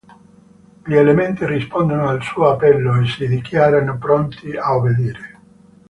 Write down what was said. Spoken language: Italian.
Gli elementi rispondono al suo appello e si dichiarano pronti a obbedire.